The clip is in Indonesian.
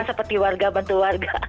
seperti warga bantu warga